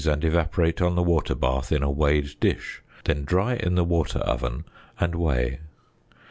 and evaporate on the water bath in a weighed dish; then dry in the water oven, and weigh.